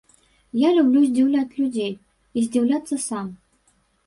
Я люблю здзіўляць людзей і здзіўляцца сам.